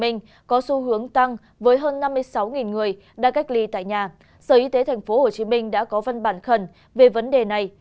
sáu người đã cách ly tại nhà sở y tế tp hcm đã có văn bản khẩn về vấn đề này